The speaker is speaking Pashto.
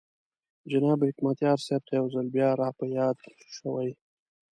جناب حکمتیار صاحب ته یو ځل بیا را په یاد شوې.